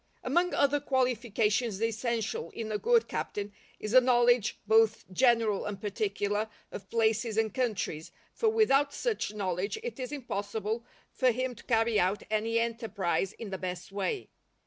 _ Among other qualifications essential in a good captain is a knowledge, both general and particular, of places and countries, for without such knowledge it is impossible for him to carry out any enterprise in the best way.